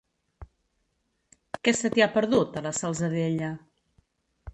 Què se t'hi ha perdut, a la Salzadella?